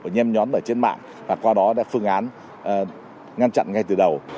nhâm nhóm ở trên mạng và qua đó đã phương án ngăn chặn ngay từ đầu